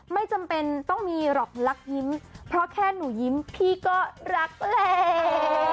ไม่จำเป็นต้องมีหรอกรักยิ้มเพราะแค่หนูยิ้มพี่ก็รักแล้ว